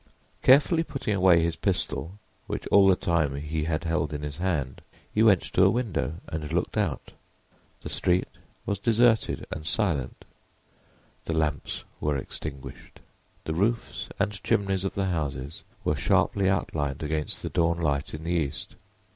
Carefully putting away his pistol, which all the time he had held in his hand, he went to a window and looked out. The street was deserted and silent; the lamps were extinguished; the roofs and chimneys of the houses were sharply outlined against the dawn light in the east.